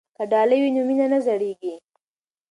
که ډالۍ وي نو مینه نه زړیږي.